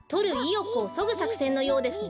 よくをそぐさくせんのようですね。